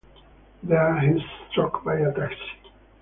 There, he is struck by a taxi.